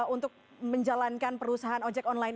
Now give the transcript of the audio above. untuk menjalankan perusahaan ojek online